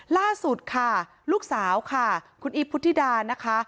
ล่าสุดค่ะลูกสาวค่ะคุณอีฟพุทธิดานะคะ